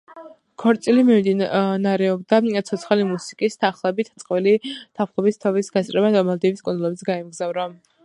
ქორწილი მიმდინარეობდა ცოცხალი მუსიკის თანხლებით, წყვილი თაფლობის თვის გასატარებლად მალდივის კუნძულებზე გაემგზავრა.